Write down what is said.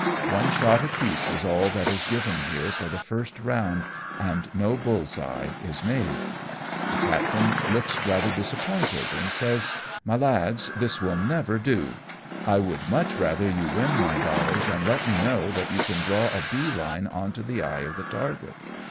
One shot apiece is all that is given here for the first round, and no bulFs eye is made. The captain looks rather disappointed, and says, " My lads, this will never do ; I would much rather you win my dollars and let me know that you can draw a bee line on to the eye of the target.